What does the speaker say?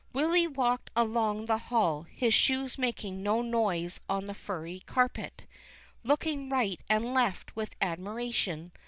Willy walked along the hall, his shoes making no noise on the furry carpet, looking right and left with admiration.